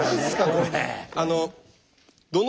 これ。